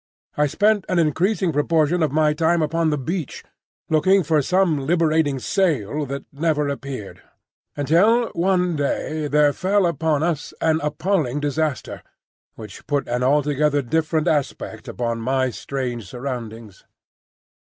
I spent an increasing proportion of my time upon the beach, looking for some liberating sail that never appeared,—until one day there fell upon us an appalling disaster, which put an altogether different aspect upon my strange surroundings.